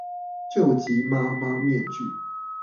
救急媽媽面具